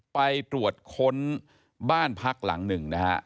ไปตรวจค้นบ้านพักหลังหนึ่งนะฮะ